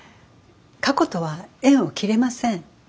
過去とは縁を切れません。